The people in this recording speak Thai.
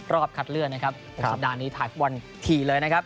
รอบคัดเลือดนะครับสัปดาห์นี้ถ่ายวันทีเลยนะครับ